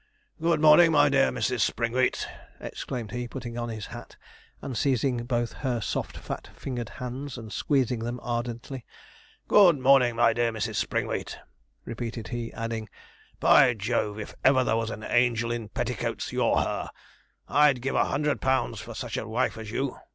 'Good morning, my dear Mrs. Springwheat,' exclaimed he, putting on his hat and seizing both her soft fat fingered hands and squeezing them ardently. 'Good morning, my dear Mrs. Springwheat,' repeated he, adding, 'By Jove! if ever there was an angel in petticoats, you're her; I'd give a hundred pounds for such a wife as you!